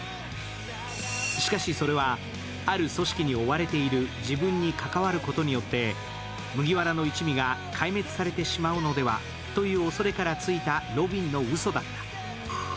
しかし、それはある組織に追われている自分に関わることによって麦わらの一味が壊滅してしまうのではというおそれからついたロビンのうそだった。